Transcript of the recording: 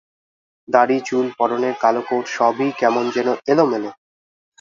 দাড়ি, চুল, পরনের কালো কোট সবই কেমন যেন এলোমেলো।